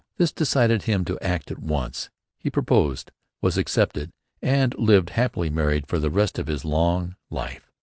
This decided him to act at once. He proposed; was accepted; and lived happily married for the rest of his long life.